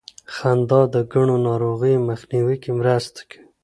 خندا د ګڼو ناروغیو مخنیوي کې مرسته کوي.